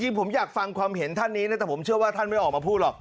ผมอยากฟังความเห็นท่านนี้นะแต่ผมเชื่อว่าท่านไม่ออกมาพูดหรอก